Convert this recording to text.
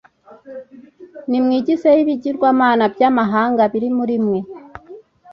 nimwigizeyo ibigirwamana by'amahanga biri muri mwe